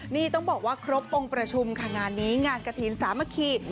นี่ต้องบอกว่าครบองค์ประชุมค่ะงานนี้งานกระถิ่นสามัคคี